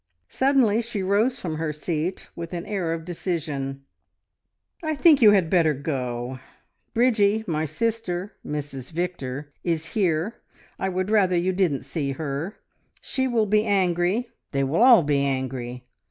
Suddenly she rose from her seat with an air of decision. "I think you had better go. Bridgie, my sister Mrs Victor is here. I would rather you didn't see her. She will be angry; they will all be angry.